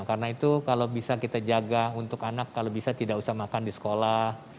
karena itu kalau bisa kita jaga untuk anak kalau bisa tidak usah makan di sekolah